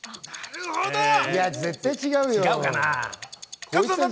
いや絶対違うよ。